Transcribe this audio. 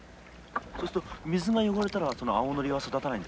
そうすると水が汚れたらその青ノリは育たないんですか？